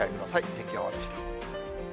天気予報でした。